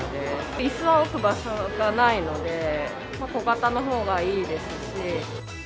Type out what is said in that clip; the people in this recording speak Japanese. いすは置く場所がないので、小型のほうがいいですし。